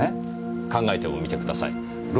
考えてもみてください。